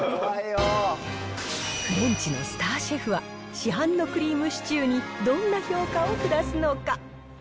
フレンチのスターシェフは、市販のクリームシチューにどんな評価を下すのか。